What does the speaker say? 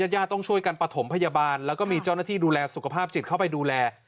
ญาติต้องช่วยกันประถมพยาบาลแล้วก็มีเจ้าหน้าที่ดูแลสุขภาพจิตเข้าไปดูแล